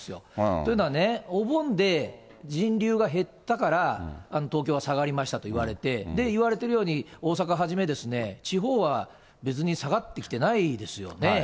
というのは、お盆で人流が減ったから東京は下がりましたといわれて、いわれているように、大阪はじめ、地方は別に下がってきてないですよね。